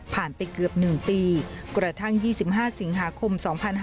ไปเกือบ๑ปีกระทั่ง๒๕สิงหาคม๒๕๕๙